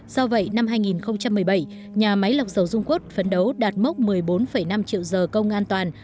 do vậy năm hai nghìn một mươi bảy nhà máy lọc dầu dung quất phấn đấu đạt mốc một mươi bốn năm triệu giờ công an toàn